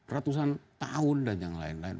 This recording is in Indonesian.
ratusan tahun dan yang lain lain